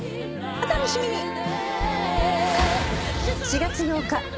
お楽しみに。